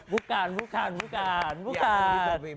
bukan bukan bukan